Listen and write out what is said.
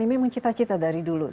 ini memang cita cita dari dulu